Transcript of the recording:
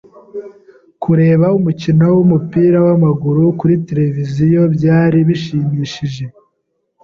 Kureba umukino wumupira wamaguru kuri tereviziyo byari bishimishije.